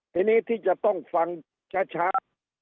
ทีนี้ที่จะต้องฟังช้า